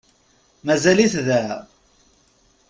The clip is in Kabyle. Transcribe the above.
Mazal-it da?